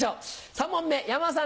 ３問目山田さん